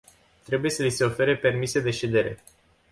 Trebuie să li se ofere permise de ședere.